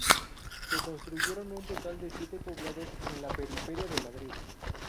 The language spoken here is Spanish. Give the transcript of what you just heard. Se construyeron un total de siete poblados en la periferia de Madrid.